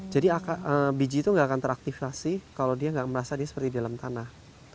jadi biji itu nggak akan teraktifasi kalau dia nggak merasa dia seperti di dalam tanah